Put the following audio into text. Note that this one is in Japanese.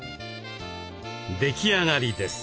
出来上がりです。